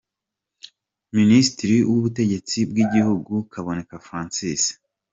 Minisitiri w’Ubutegetsi bw’Igihugu : Kaboneka Francis